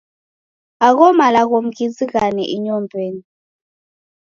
Agho malagho mughizighane inyow'eni.